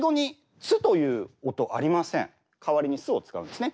代わりに「す」を使うんですね。